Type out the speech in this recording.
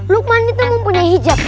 lukman itu mempunyai hijab